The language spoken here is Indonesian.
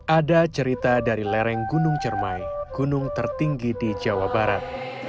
ada cerita dari lereng gunung cermai gunung tertinggi di jawa barat